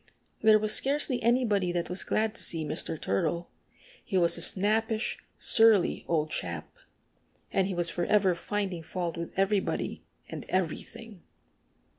There was scarcely anybody that was glad to see Mr. Turtle. He was a snappish, surly old chap. And he was forever finding fault with everybody and everything.